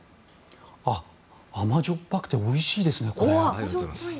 甘じょっぱくておいしいですね。